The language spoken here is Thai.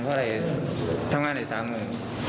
คุณตายแล้วหรือ